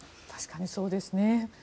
確かにそうですね。